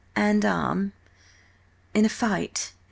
"'And arm, in a fight